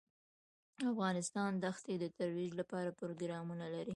افغانستان د ښتې د ترویج لپاره پروګرامونه لري.